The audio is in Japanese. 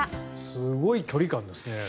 すごい距離感ですね。